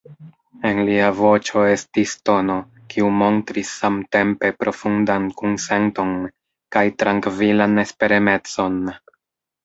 En lia voĉo estis tono, kiu montris samtempe profundan kunsenton kaj trankvilan esperemecon.